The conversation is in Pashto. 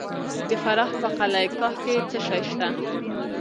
د فراه په قلعه کاه کې څه شی شته؟